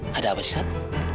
sat ada apa sih sat